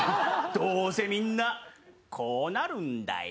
どうせみんなこうなるんだよ。